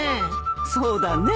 そうだね。